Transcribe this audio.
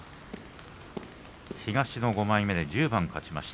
東の５枚目で１０番勝ちました。